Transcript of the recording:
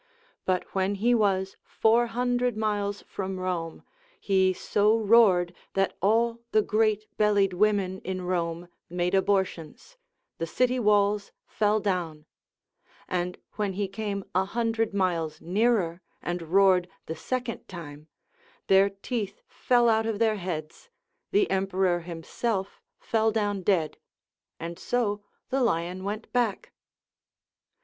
But when he was four hundred miles from Rome he so roared that all the great bellied women in Rome made abortions, the city walls fell down, and when he came a hundred miles nearer, and roared the second time, their teeth fell out of their heads, the emperor himself fell down dead, and so the lion went back.